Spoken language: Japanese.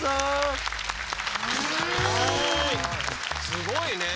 すごいね。